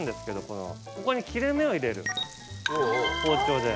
ここに切れ目を入れる包丁で。